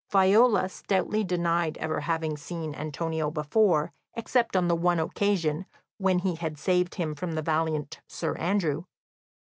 Viola stoutly denied ever having seen Antonio before, except on the one occasion when he had saved him from the valiant Sir Andrew.